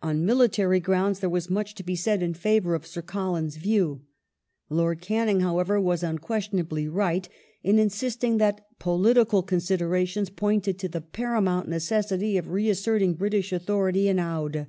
On military grounds there was much to be said in favour of Sir Colin's view ; Lord Canning, however, was unquestionably right in insisting that political considerations pointed to the para mount necessity of reasserting British authority in Oudh.